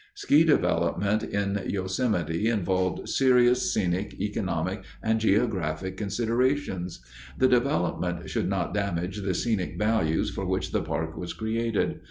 "Ski development in Yosemite involved serious scenic, economic, and geographic considerations. The development should not damage the scenic values for which the park was created.